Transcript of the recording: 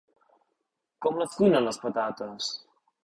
Com les cuinen les patates?